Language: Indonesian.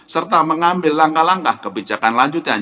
serta mengambil langkah langkah kebijakan lanjutan